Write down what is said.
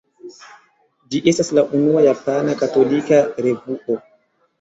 Ĝi estas la unua japana katolika revuo.